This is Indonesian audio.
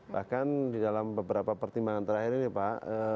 bahkan di dalam beberapa pertimbangan terakhir ini pak